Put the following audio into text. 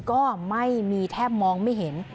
ก็ไม่มีแทบมองไม่เห็น